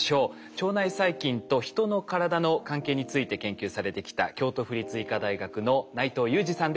腸内細菌と人の体の関係について研究されてきた京都府立医科大学の内藤裕二さんです。